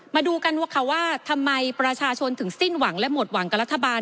มาดูกันว่าค่ะว่าทำไมประชาชนถึงสิ้นหวังและหมดหวังกับรัฐบาล